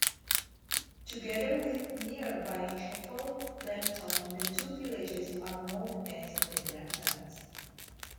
Together with nearby Chapel Brampton the two villages are known as "The Bramptons".